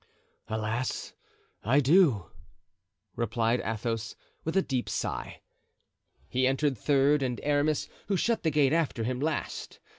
"Alas! I do!" replied Athos, with a deep sigh. He entered third, and Aramis, who shut the gate after him, last.